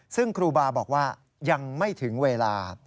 ซึ่งครูบาบอกว่ายังไม่ถึงเวลา